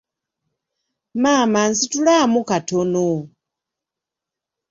Maama nsitulaamu katono.